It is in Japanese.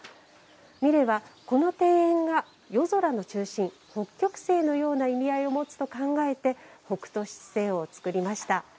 三玲はこの庭園が夜空の中心北極星のような意味合いを持つと考えて北斗七星をつくりました。